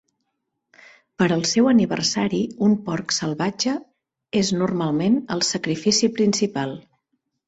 Per al seu aniversari, un porc salvatge és normalment el sacrifici principal.